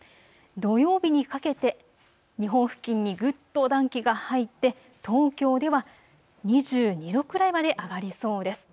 土曜日にかけて日本付近にぐっと暖気が入って東京では２２度くらいまで上がりそうです。